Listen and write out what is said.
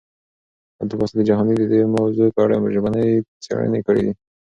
عبدالباسط جهاني د دې موضوع په اړه ژبني څېړنې کړي دي.